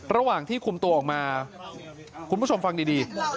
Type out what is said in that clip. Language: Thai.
ระหว่างที่คุมตัวออกมาคุณผู้ชมฟังดี